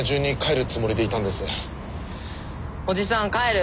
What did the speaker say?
おじさん帰る。